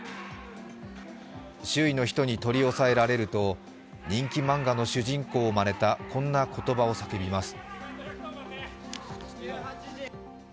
周囲の人に取り押さえられると人気漫画の主人公をまねたこんな言葉を叫びます。